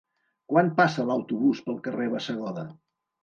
Quan passa l'autobús pel carrer Bassegoda?